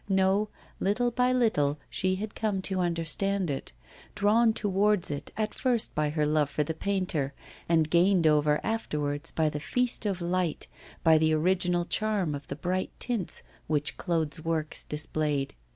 No, little by little she had come to understand it, drawn towards it at first by her love for the painter, and gained over afterwards by the feast of light, by the original charm of the bright tints which Claude's works displayed.